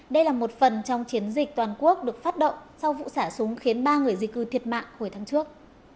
đây là một phần trong chiến dịch toàn quốc được phát động sau vụ xả súng khiến ba người di cư thiệt mạng hồi tháng trước